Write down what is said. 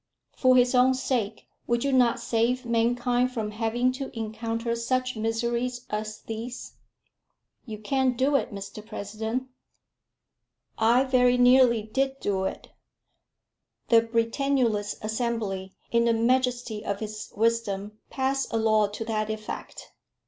For his own sake, would you not save mankind from having to encounter such miseries as these?" "You can't do it, Mr President." "I very nearly did do it. The Britannulist Assembly, in the majesty of its wisdom, passed a law to that effect."